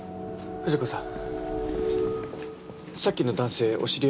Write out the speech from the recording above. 藤子さん？